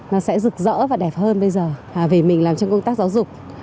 nó sẽ rực rỡ và đẹp hơn bây giờ về mình làm trong công tác giáo dục